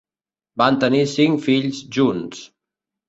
Van tenir cinc fills junts.